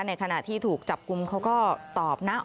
ขณะที่ถูกจับกลุ่มเขาก็ตอบนะ